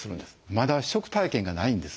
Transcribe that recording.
まだ食体験がないんです。